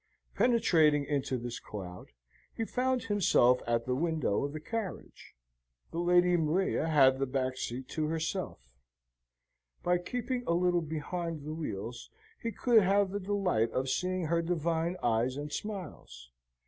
Penetrating into this cloud, he found himself at the window of the carriage. The Lady Maria had the back seat to herself; by keeping a little behind the wheels, he could have the delight of seeing her divine eyes and smiles.